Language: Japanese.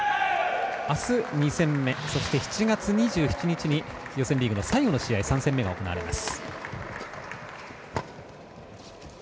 あす２戦目、そして７月２７日に予選リーグの最後の試合３戦目が行われます。